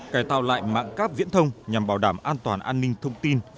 cài tạo lại mạng cáp viễn thông nhằm bảo đảm an toàn an ninh thông tin